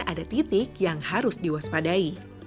ada titik yang harus diwaspadai